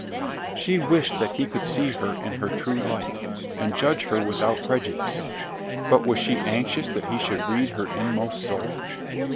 She wished that he could see her in her true light, and judge her without prejudice; but was she anxious that he should read her inmost soul?